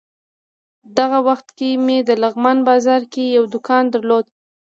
دغه وخت کې مې د لغمان بازار کې یو دوکان درلود.